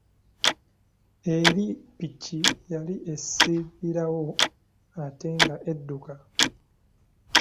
Eri ppiki yali esibirawo ate nga edduka.